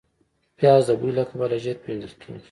پیاز د بوی له کبله ژر پېژندل کېږي